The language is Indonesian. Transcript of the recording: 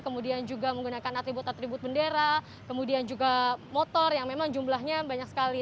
kemudian juga menggunakan atribut atribut bendera kemudian juga motor yang memang jumlahnya banyak sekali